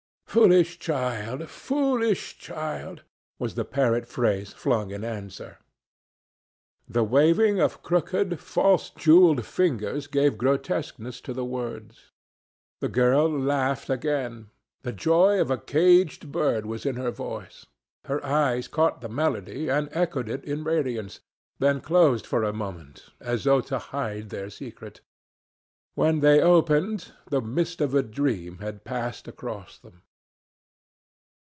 "Foolish child! foolish child!" was the parrot phrase flung in answer. The waving of crooked, false jewelled fingers gave grotesqueness to the words. The girl laughed again. The joy of a caged bird was in her voice. Her eyes caught the melody and echoed it in radiance, then closed for a moment, as though to hide their secret. When they opened, the mist of a dream had passed across them.